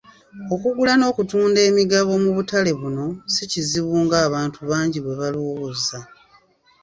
Okugula n'okutunda emigabo mu butale buno si kizibu ng'abantu bangi bwe balowooza.